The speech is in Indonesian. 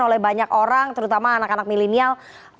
oleh banyak orang terutama anak anak milenial